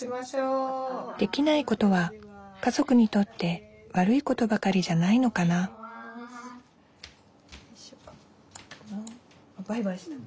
できないことは家族にとって悪いことばかりじゃないのかなバイバイした。